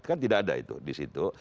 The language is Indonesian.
kan tidak ada itu disitu